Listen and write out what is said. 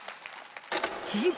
続く